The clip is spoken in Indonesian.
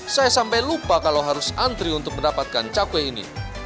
saya sampai lupa kalau harus antri untuk mendapatkan cakwe ini